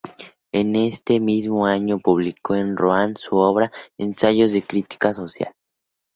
En este mismo año publicó en Ruan su obra "Ensayos de Crítica Social".